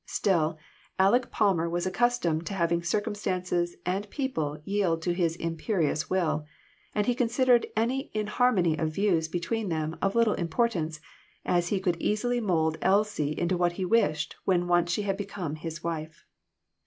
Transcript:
Still, Aleck Palmer was accustomed to having circumstances and people yield to his imperious will, and he considered any inharmony of views between them of little importance, as he could easily mold Elsie into what he wished when once she had become his wife.